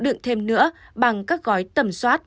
đựng thêm nữa bằng các gói tầm soát